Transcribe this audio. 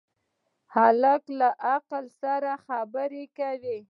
هلک له عقل سره خبرې کوي.